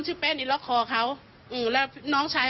เสพยาเสพติดเข้าไปด้วยไม่อย่างนั้นคงไม่เจอ